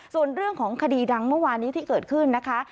ส่วนเรื่องของคดีดังเมื่อวานนี้ที่เกิดขึ้นนะคะ